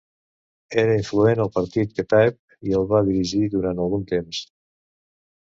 Era influent al Partit Kataeb i el va dirigir durant algun temps.